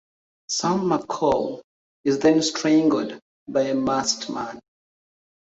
Sam McCall is then strangled by a masked man.